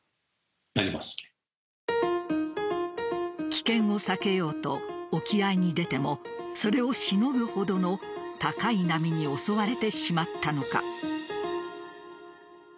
危険を避けようと沖合に出てもそれをしのぐほどの高い波に襲われてしまったのか。